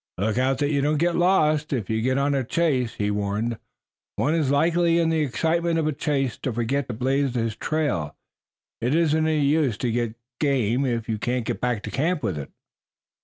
"Look out that you don't get lost if you get on a chase," he warned. "One is likely in the excitement of a chase to forget to blaze his trail. It isn't any use to get game if you can't get back to camp with it."